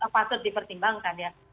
patut dipertimbangkan ya